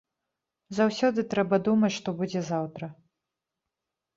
Заўсёды трэба думаць, што будзе заўтра.